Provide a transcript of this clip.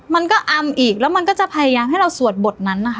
มันก็อำอีกแล้วมันก็จะพยายามให้เปลิดเราศึกนั้น